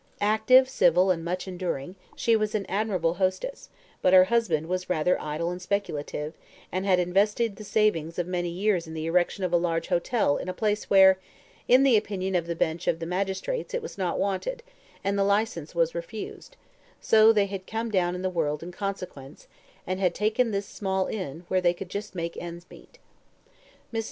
Active, civil, and much enduring, she was an admirable hostess, but her husband was rather idle and speculative, and had invested the savings of many years in the erection of a large hotel in a place where, in the opinion of the Bench of Magistrates, it was not wanted, and the licence was refused, so they had come down in the world in consequence, and had taken this small inn, where they could just make ends meet. Mrs.